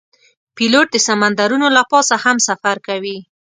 پیلوټ د سمندرونو له پاسه هم سفر کوي.